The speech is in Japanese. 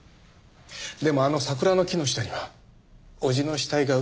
でもあの桜の木の下には叔父の死体が埋まってるんです。